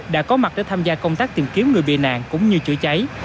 đã có mặt để tham gia công tác tìm kiếm người bị nạn cũng như chữa cháy